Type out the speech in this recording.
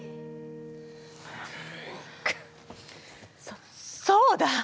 そそうだ！